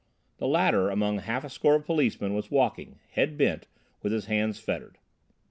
The latter, among half a score of policemen, was walking, head bent, with his hands fettered.